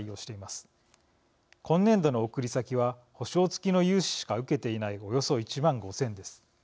今年度の送り先は保証付きの融資しか受けていないおよそ１万５，０００です。